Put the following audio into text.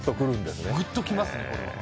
グッときますね。